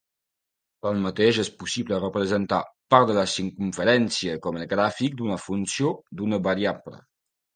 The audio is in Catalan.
Tanmateix, és possible representar part de la circumferència com el gràfic d'una funció d'una variable.